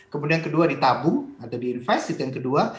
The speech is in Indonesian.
kemudian yang kedua ditabung atau diinvest itu yang kedua